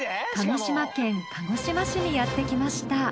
鹿児島県鹿児島市にやって来ました。